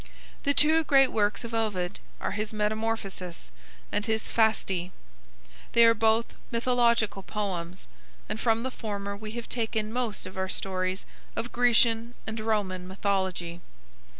The two great works of Ovid are his "Metamorphoses" and his "Fasti." They are both mythological poems, and from the former we have taken most of our stories of Grecian and Roman mythology.